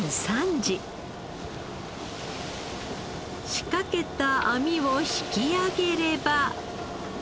仕掛けた網を引き揚げれば。